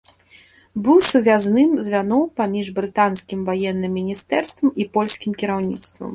Быў сувязным звяном паміж брытанскім ваенным міністэрствам і польскім кіраўніцтвам.